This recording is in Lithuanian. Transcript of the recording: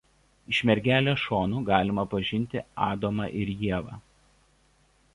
Iš Mergelės šonų galima pažinti Adomą ir Ievą.